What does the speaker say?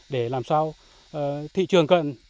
để làm sao thị trường cận